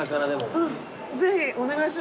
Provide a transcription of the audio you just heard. うんぜひお願いします。